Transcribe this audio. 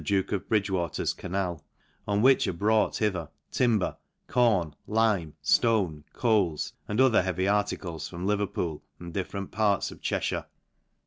duke of Bridgewater's 'canal, on which are brought^ hither timber, corn, lime, ftone, coals, and other; heavy articles, from' Leverpool, and different parts of Che/hire.